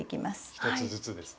１つずつですね。